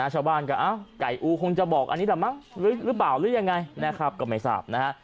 ชาวบ้านก็ไก่อูคงจะบอกอันนี้แหละมั้งหรือเปล่าหรืออย่างไรก็ไม่ทราบ